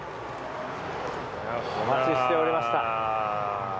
お待ちしておりました。